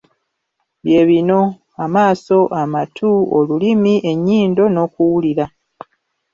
Bye bino: amaaso, amatu, olulimi, ennyindo n'okuwulira.